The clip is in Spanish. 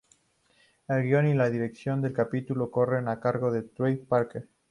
El guion y la dirección del capítulo corren a cargo de Trey Parker.